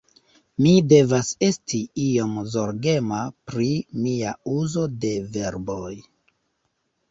Mi devas esti iom zorgema pri mia uzo de verboj